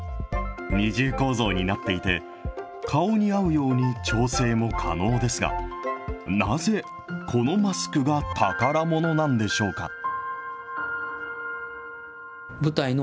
二重構造になっていて、顔に合うように調整も可能ですが、なぜこのマスクが宝ものなんでしょうか？